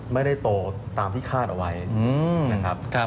ไม่ได้โตตามที่คาดเอาไว้นะครับ